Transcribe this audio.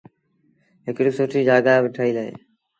هڪڙيٚ سُٺي جآڳآ با ٺهيٚل اهي۔